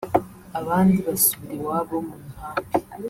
abandi basubira iwabo mu nkambi